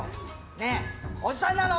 ねえ、おじさんなの？